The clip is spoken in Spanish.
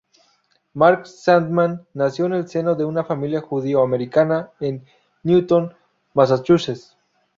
Mark Sandman nació en el seno de una familia judío-americana en Newton, Massachusetts.